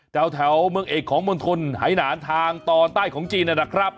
แถวเมืองเอกของมณฑลหายหนานทางตอนใต้ของจีนนะครับ